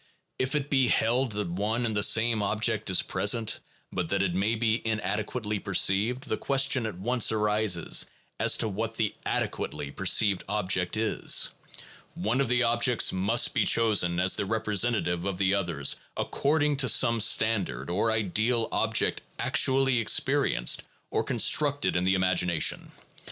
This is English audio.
If it be held that one and the same object is present, but that it may be inadequately perceived, the question at once arises as to what the adequately perceived object is. One of the objects must be chosen as the representative of the others according to some standard or ideal object actually experienced or constructed in the imagination.